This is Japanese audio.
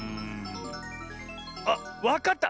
あっわかった！